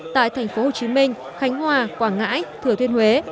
tại tp hcm khánh hòa quảng ngãi thừa thiên huế